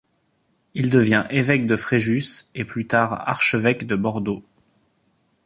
Il devient évêque de Fréjus et plus tard archevêque de Bordeaux.